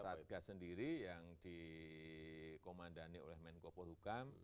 satgas sendiri yang dikomandani oleh menko polhukam